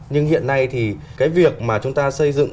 nhưng hiện nay thì cái việc mà chúng ta xây dựng